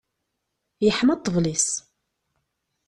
Yeḥma ṭṭbel-is.